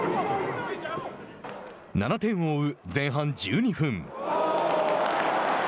７点を追う前半１２分。